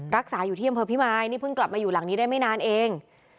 รักษาอยู่ที่อำเภอพิมายนี่เพิ่งกลับมาอยู่หลังนี้ได้ไม่นานเอง